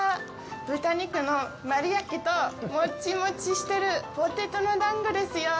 豚肉の丸焼きと、もっちもっちしてるポテトの団子ですよ。